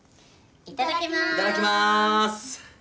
いただきます！